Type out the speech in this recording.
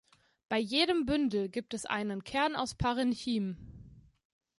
Bei jedem Bündel gibt es einen Kern aus Parenchym.